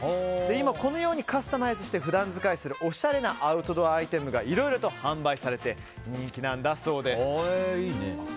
今このようにカスタマイズして普段使いするオシャレなアイテムがいろいろと販売されて人気なんだそうです。